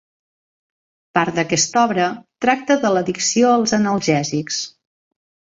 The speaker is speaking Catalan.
Part d'aquesta obra tracta l'addicció als analgèsics.